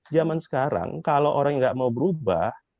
zaman sekarang kalau orang nggak mau berubah